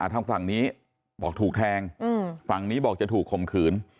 ทางฝั่งนี้บอกถูกแทงฝั่งนี้บอกจะถูกข่มขืน